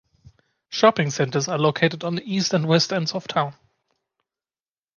Shopping centers are located on the east and west ends of town.